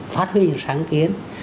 phát huy sáng kiến